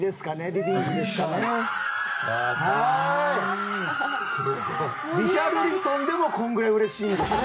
リシャルリソンでもこのぐらいうれしいんですよ